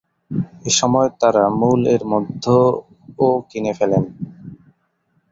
এসময় তারা মূল এর মধ্যে ও কিনে ফেলেন।